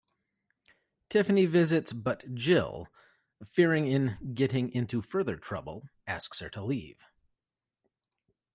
Tiffany visits but Jill, fearing in getting into further trouble, asks her to leave.